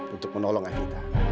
untuk menolong evita